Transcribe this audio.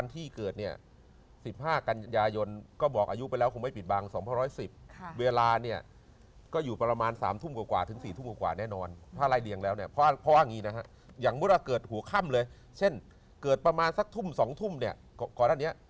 ตอนเมื่อเขิดเก่าครั้งเลยเกิดประมาณสักทุ่มนี้